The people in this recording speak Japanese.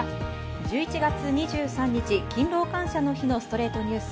１１月２３日、勤労感謝の日の『ストレイトニュース』。